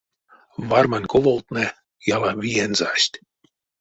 Вармань коволтнэ яла виензасть.